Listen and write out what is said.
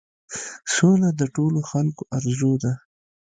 سوله د ټولو خلکو آرزو ده.